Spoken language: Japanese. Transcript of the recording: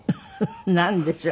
なんでしょう。